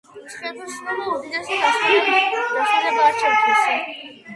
ცხენოსნობა უდიდესი დასვენებაა ჩემთვის.